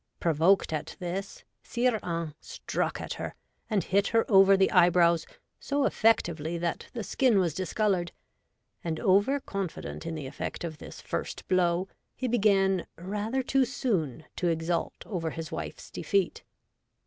Provoked at this, Sire Hains struck at her, and hit her over the eyebrows so effectively that the skin was discoloured ; and, over confident in the effect of this first blow, he began rather too soon to exult over his wife's defeat.